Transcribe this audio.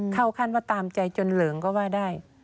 เข้าขั้นว่าตามใจจนเหลิงก็ว่าได้